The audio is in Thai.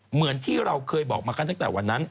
เหมือนที่เราเคยบอกมากันตั้งแต่วันนั้น